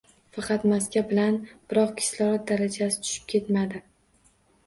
Faqat maska bilan, biroq kislorod darajasi tushib ketmadi